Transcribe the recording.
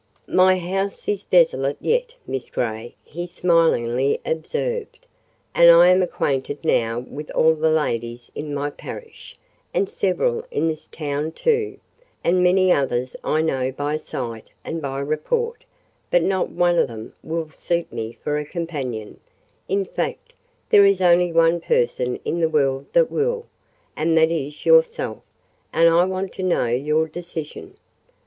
"My house is desolate yet, Miss Grey," he smilingly observed, "and I am acquainted now with all the ladies in my parish, and several in this town too; and many others I know by sight and by report; but not one of them will suit me for a companion; in fact, there is only one person in the world that will: and that is yourself; and I want to know your decision?"